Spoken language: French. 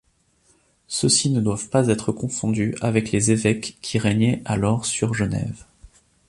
Ceux-ci ne doivent pas être confondus avec les évêques qui régnaient alors sur Genève.